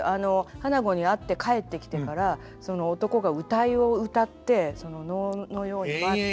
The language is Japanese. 花子に会って帰ってきてからその男が謡をうたって能のように舞って。